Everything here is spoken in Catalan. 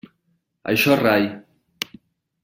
Això rai.